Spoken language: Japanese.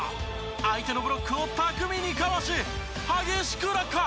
相手のブロックを巧みに交わし激しく落下。